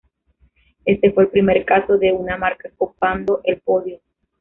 Este fue el primer caso de una marca copando el podio.